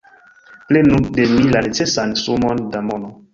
Prenu de mi la necesan sumon da mono!